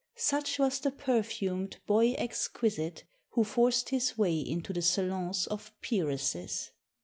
Such was the perfumed boy exquisite who forced his way into the salons of peeresses."